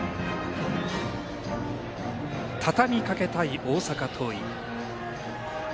畳みかけたい大阪桐蔭。